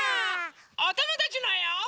おともだちのえを。